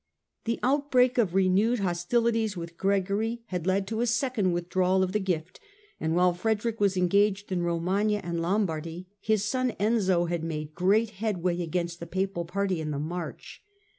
The outbreak of renewed hostilities with Gregory had led to a second withdrawal of the gift, and while Frederick was engaged in Romagna and Lombardy, his son Enzio had made great headway against the Papal party in the March.